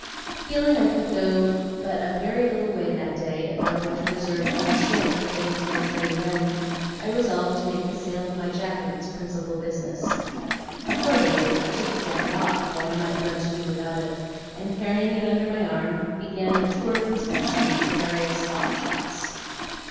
Feeling that I could go but a very little way that day, if I were to reserve any strength for getting to my journey's end, I resolved to make the sale of my jacket its principal business. Accordingly, I took the jacket off, that I might learn to do without it; and carrying it under my arm, began a tour of inspection of the various slop shops.